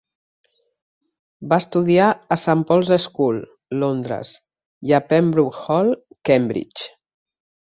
Va estudiar a Saint Paul's School, Londres, i a Pembroke Hall, Cambridge.